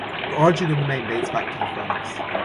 The origin of this name dates back to the Franks.